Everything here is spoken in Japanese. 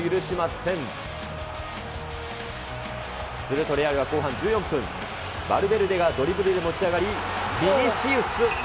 するとレアルは後半１４分、バルベルデがドリブルで持ち上がり、ビニシウス。